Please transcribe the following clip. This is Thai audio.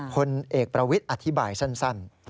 พลเอกประวิทย์อธิบายสั้น